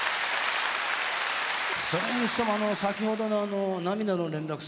それにしてもあの先ほどのあの「涙の連絡船」。